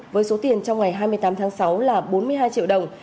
với số tiền trong ngày hai mươi tám tháng sáu là bốn mươi hai triệu đồng